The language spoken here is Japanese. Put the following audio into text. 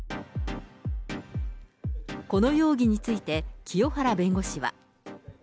この容疑について、清原弁護士は。